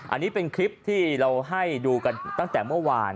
อันนี้เป็นคลิปที่เราให้ดูกันตั้งแต่เมื่อวาน